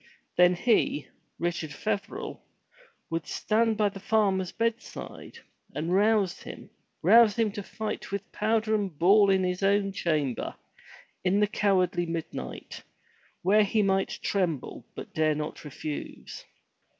Then he, Richard Feverel, would stand by the farmer's bedside, and rouse him, rouse him to fight with powder and ball in his own chamber, in the cowardly midnight, where he might tremble, but dare not refuse.